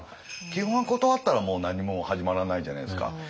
基本は断ったらもう何も始まらないじゃないですか。